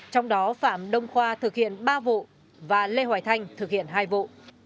trong đó phạm đông khoa thực hiện ba vụ và lê hoài thanh thực hiện hai vụ